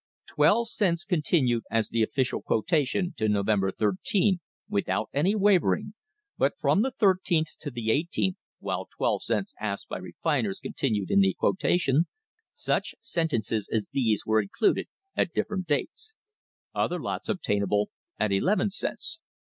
Twelve cents continued as the official quota tion to November 13, without any wavering, but from the I3th to the i8th, while ' 12 cents asked by refiners' continued in the quotation, such sentences as these were included at different dates: 'Other lots obtainable at II cents.'